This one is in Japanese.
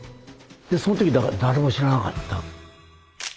その時だから誰も知らなかった。